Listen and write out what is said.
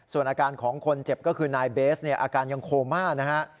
ส่วนอาการของคนเจ็บก็คือนายเบสเนี่ยอาการยังโคม่านะฮะ